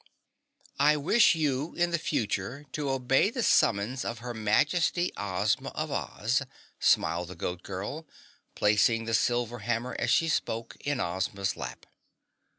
"I wish you in the future to obey the summons of her Majesty, Ozma of Oz," smiled the Goat Girl, placing the silver hammer as she spoke, in Ozma's lap.